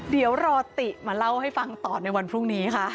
เดี๋ยวรอติมาเล่าให้ฟังต่อในวันพรุ่งนี้ค่ะ